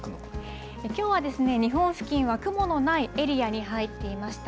きょうは日本付近は雲のないエリアに入っていました。